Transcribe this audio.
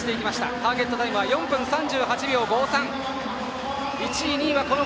ターゲットタイムは４分３８秒５３。